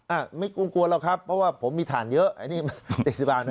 อ่ะไม่กลัวเราครับเพราะว่าผมมีฐานเยอะอันนี้อีกสิบห้านึง